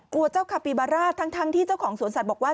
เจ้าคาปิบาร่าทั้งที่เจ้าของสวนสัตว์บอกว่า